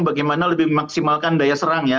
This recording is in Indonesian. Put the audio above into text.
bagaimana lebih memaksimalkan daya serang ya